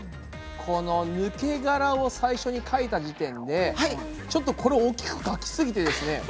この抜け殻を最初に描いた時点でちょっとこれ大きく描きすぎてですね。